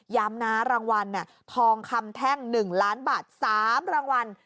ย้ำนะรางวัลทองคำแท่ง๑ล้านบาท๓รางวัล